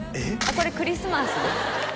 これクリスマスです